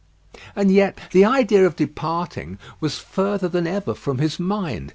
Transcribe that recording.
And yet the idea of departing was further than ever from his mind.